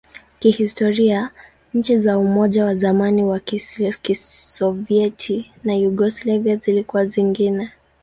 Kihistoria, nchi za Umoja wa zamani wa Kisovyeti na Yugoslavia zilikuwa zingine.